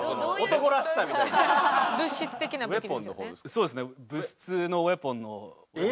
そうですね。